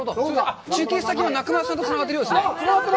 中継先の中村さんとつながってるみたいですね。